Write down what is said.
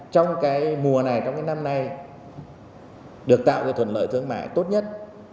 trong cái mùa này trong cái năm nay được tạo ra thuận lợi thương mại tốt nhất